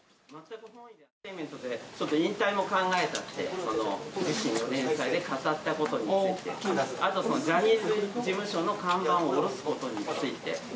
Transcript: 引退も考えたって自身の連載で語ったことについてあと、ジャニーズ事務所の看板を下ろすことについて。